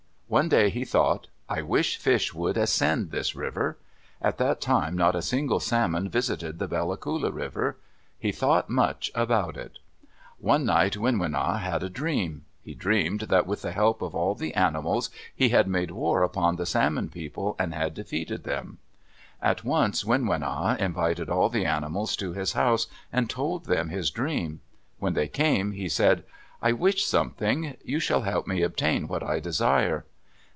One day he thought, "I wish fish would ascend this river." At that time not a single salmon visited the Bella Coola River. He thought much about it. One night Winwina had a dream. He dreamed that with the help of all the animals he had made war upon the Salmon People and had defeated them. At once Winwina invited all the animals to his house, and told them his dream. When they came, he said, "I wish something. You shall help me obtain what I desire."